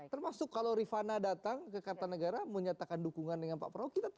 termasuk kalau rifana datang ke kartanegara menyatakan dukungan dengan pak prabowo